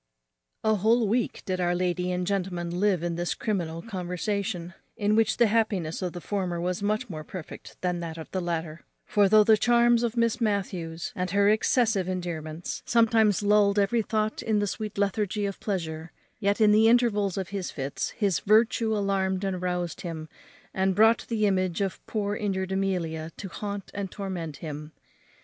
_ A whole week did our lady and gentleman live in this criminal conversation, in which the happiness of the former was much more perfect than that of the latter; for, though the charms of Miss Matthews, and her excessive endearments, sometimes lulled every thought in the sweet lethargy of pleasure, yet in the intervals of his fits his virtue alarmed and roused him, and brought the image of poor injured Amelia to haunt and torment him.